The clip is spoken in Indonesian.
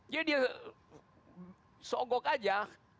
jadi dia seogok aja